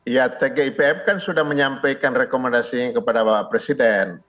ya tgipf kan sudah menyampaikan rekomendasinya kepada bapak presiden